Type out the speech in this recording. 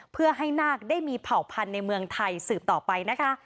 เพื่อให้นาคได้มีเผ่าพันธุ์ในเมืองไทยสืบต่อไปนะคะ